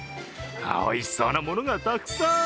おいしそうなものがたくさん。